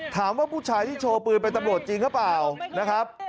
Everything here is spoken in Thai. ผู้ชายที่โชว์ปืนเป็นตำรวจจริงหรือเปล่านะครับ